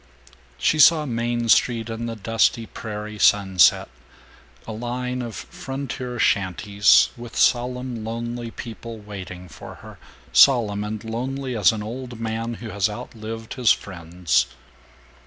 She saw Main Street in the dusty prairie sunset, a line of frontier shanties with solemn lonely people waiting for her, solemn and lonely as an old man who has outlived his friends.